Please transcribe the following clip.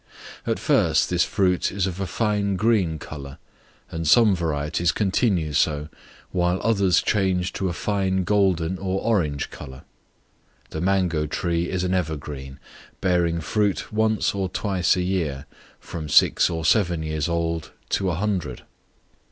At first this fruit is of a fine green color, and some varieties continue so, while others change to a fine golden or orange color. The mango tree is an evergreen, bearing fruit once or twice a year, from six or seven years old to a hundred.